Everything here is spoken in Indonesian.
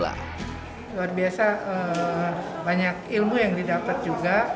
luar biasa banyak ilmu yang didapat juga